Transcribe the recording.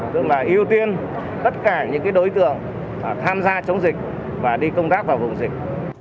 tức là ưu tiên tất cả những đối tượng tham gia chống dịch và đi công tác vào vùng dịch